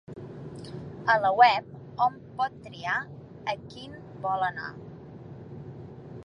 A la web, hom pot triar a quin vol anar.